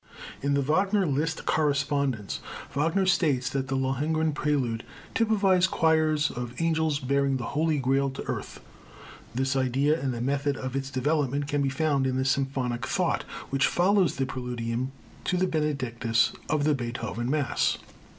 In the Wagner Liszt correspondence, Wagner states that the Lohengrin Prelude typifies choirs of angels bearing the Holy Grail to earth. This idea and the method of its development can be found in the symphonic thought which follows the Preludium to the Benedictus of the Beethoven Mass.